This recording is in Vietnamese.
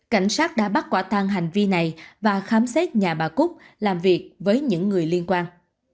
cảnh sát đã bắt quả tang hành vi này và khám xét nhà bà cúc làm việc với những người liên quan